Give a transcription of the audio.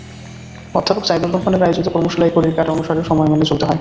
অধ্যাপক সাইদুর রহমানের আয়োজিত কর্মশালায় ঘড়ির কাঁটা অনুসারে সময় মেনে চলতে হয়।